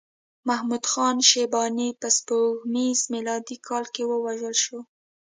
محمد خان شیباني په سپوږمیز میلادي کال کې ووژل شو.